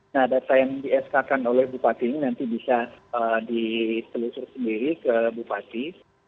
nah data yang di sk kan oleh bupati ini nanti bisa ditelusur sendiri ke bupati